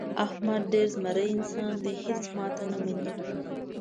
احمد ډېر زمری انسان دی. هېڅ ماتې نه مني.